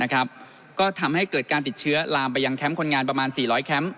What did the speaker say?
ก็ทำให้เกิดการติดเชื้อลามไปยังแคมป์คนงานประมาณ๔๐๐แคมป์